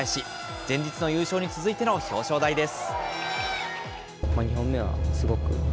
前日の優勝に続いての表彰台です。